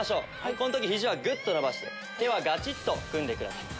この時肘はグッと伸ばして手はガチっと組んでください。